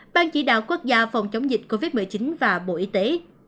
ban chỉ đạo quốc gia phòng chống dịch covid một mươi chín và bộ y tế